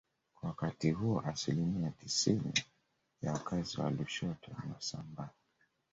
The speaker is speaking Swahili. Kwa wakati huo asilimia tisini ya wakazi wa Lushoto ni Wasambaa